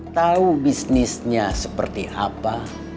tau bisnisnya seperti apa